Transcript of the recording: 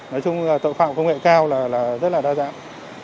nói chung là tội phạm công nghệ cao là rất là đa dạng